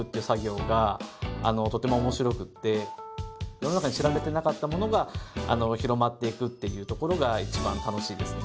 世の中に知られてなかったものが広まっていくっていうところがいちばん楽しいですね。